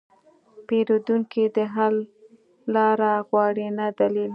پیرودونکی د حل لاره غواړي، نه دلیل.